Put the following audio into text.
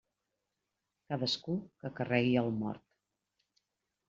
Cadascú que carregui el mort.